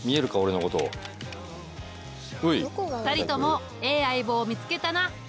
２人ともええ相棒を見つけたな。